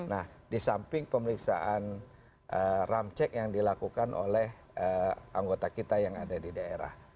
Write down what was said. nah di samping pemeriksaan ramcek yang dilakukan oleh anggota kita yang ada di daerah